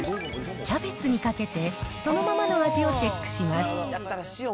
キャベツにかけて、そのままの味をチェックします。